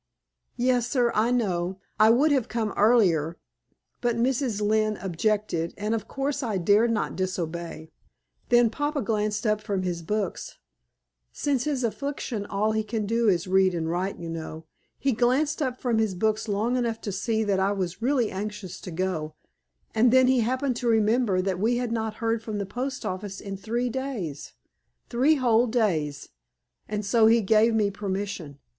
"Yes, sir; I know. I would have come earlier, but Mrs. Lynne objected, and of course I dared not disobey. Then papa glanced up from his books since his affliction all he can do is to read and write, you know he glanced up from his books long enough to see that I was really anxious to go, and then he happened to remember that we had not heard from the post office in three days three whole days and so he gave me permission.